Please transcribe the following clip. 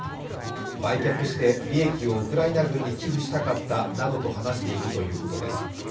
売却して利益をウクライナ軍に寄付したかったなどと話しているということです。